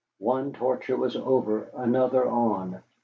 One torture was over, another on.